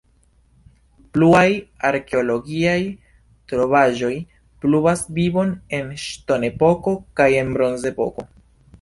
Pluaj arkeologiaj trovaĵoj pruvas vivon en ŝtonepoko kaj en bronzepoko.